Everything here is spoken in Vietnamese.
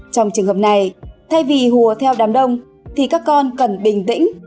trong trường hợp này thay vì hùa theo đám đông thì các con cần bình tĩnh